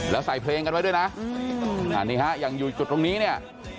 แล้วใส่เพลงกันไว้ด้วยนะอย่างอยู่จุดตรงนี้